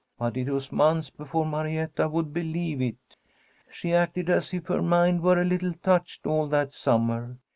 But it was months before Marietta would believe it. "She acted as if her mind were a little touched all that summer.